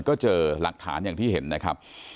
ก็เจอหลักฐานอย่างที่เห็นนะครับ